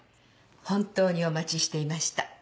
本当にお待ちしていました。